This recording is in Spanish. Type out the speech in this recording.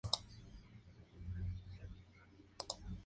Por último, a nivel comunal y comunitario se establecen Mesas de Misiones.